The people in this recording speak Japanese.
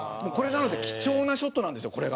なので貴重なショットなんですよこれが。